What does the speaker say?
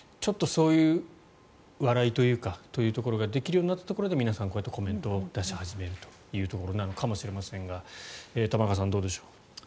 そういう笑いというかそういうところができるようになったところで皆さんコメントを出し始めるというところなのかもしれませんが玉川さん、どうでしょう。